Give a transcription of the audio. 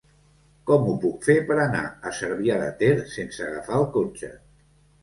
Com ho puc fer per anar a Cervià de Ter sense agafar el cotxe?